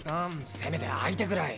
せめて相手ぐらい。